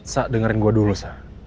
sa dengerin gue dulu sa